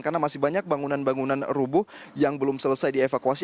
karena masih banyak bangunan bangunan rubuh yang belum selesai dievakuasi